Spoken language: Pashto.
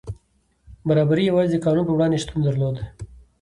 برابري یوازې د قانون په وړاندې شتون درلود.